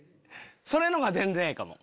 それのが全然ええかも。